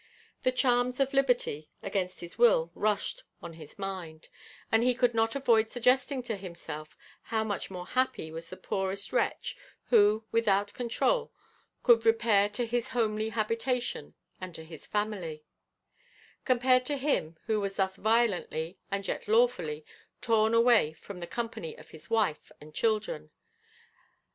The charms of liberty, against his will, rushed on his mind; and he could not avoid suggesting to himself how much more happy was the poorest wretch who, without controul, could repair to his homely habitation and to his family, compared to him, who was thus violently, and yet lawfully, torn away from the company of his wife and children.